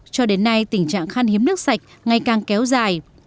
cho đến nay tình trạng khan hiếm nước sạch ngày càng kéo dài